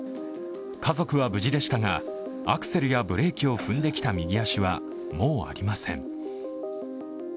家族は無事でしたが、アクセルやブレーキを踏んできた右足は、もうありません。